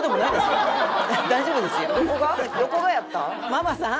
ママさん？